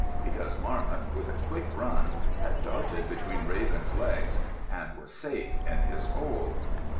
Because Marmot, with a quick run, had darted between Raven's legs and was safe in his hole.